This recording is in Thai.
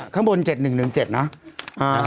๑๗ข้างบน๗๑๑๗เนาะ